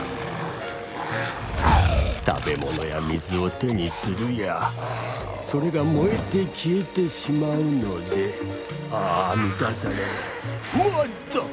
食べ物や水を手にするやそれが燃えて消えてしまうのでああ満たされないもっと！